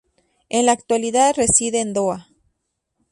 En la actualidad reside en Doha.